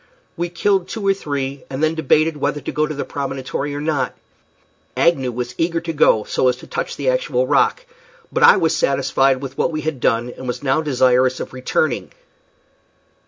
We killed two or three, and then debated whether to go to the promontory or not. Agnew was eager to go, so as to touch the actual rock; but I was satisfied with what we had done, and was now desirous of returning.